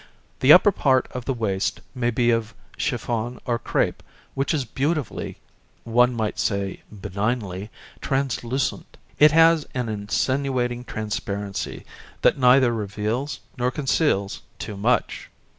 The upper part of the waist may be made of chiffon or cr├¬pe, which is beautifully one might say benignly translucent. It has an insinuating transparency that neither reveals nor conceals too much.